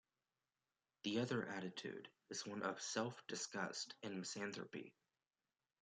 The other attitude is one of self-disgust and misanthropy.